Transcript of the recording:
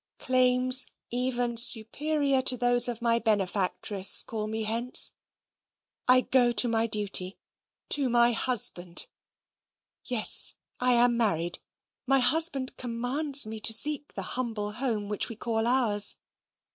Claims even superior to those of my benefactress call me hence. I go to my duty to my HUSBAND. Yes, I am married. My husband COMMANDS me to seek the HUMBLE HOME which we call ours.